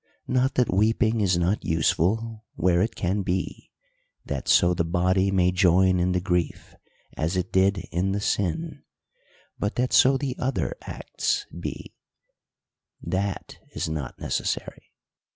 Not that weeping is not useful, where it can be (that so the body may join in the grief, as it did in the sin), but that, so the other acts be, that is not necessary.